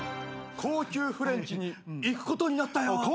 高級フレンチに行くことになったよ。